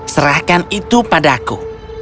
serahkan itu padaku